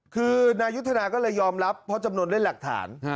คือนายุทธนาก็เลยยอมรับเพราะจำนวนด้วยหลักฐาน